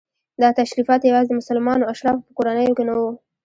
دا تشریفات یوازې د مسلمانو اشرافو په کورنیو کې نه وو.